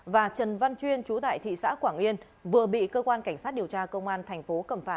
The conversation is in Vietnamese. và trần văn chuyên chú tại thị xã quảng yên vừa bị cơ quan cảnh sát điều tra công an thành phố cẩm phả